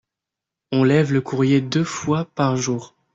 On lève le courrier deux fois par jour.